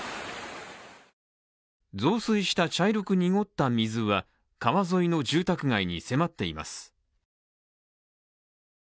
増水した茶色く濁った水は川沿いの住宅街に迫っています。